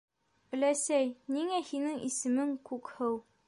Өләсәй, ниңә һинең исемең Күкһыу?